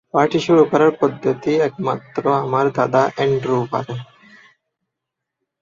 Party শুরু করার পদ্ধতি একমাত্র আমার দাদা অ্যান্ড্রু পারে।